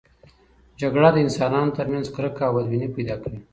جګړه د انسانانو ترمنځ کرکه او بدبیني پیدا کوي.